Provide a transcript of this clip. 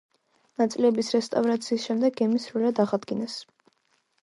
ნაწილების რესტავრაციის შემდეგ გემი სრულიად აღადგინეს.